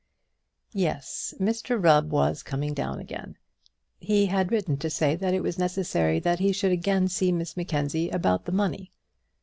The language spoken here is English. Yes; Mr Rubb was coming down again. He had written to say that it was necessary that he should again see Miss Mackenzie about the money.